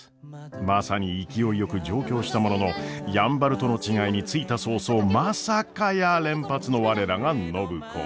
まさに勢いよく上京したもののやんばるとの違いに着いた早々まさかやー連発の我らが暢子。